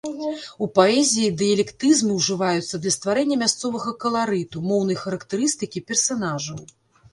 У паэзіі дыялектызмы ўжываюцца для стварэння мясцовага каларыту, моўнай характарыстыкі персанажаў.